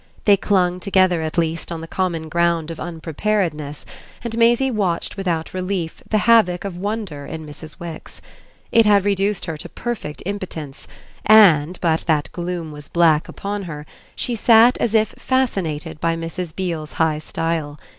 They clung together at least on the common ground of unpreparedness, and Maisie watched without relief the havoc of wonder in Mrs. Wix. It had reduced her to perfect impotence, and, but that gloom was black upon her, she sat as if fascinated by Mrs. Beale's high style.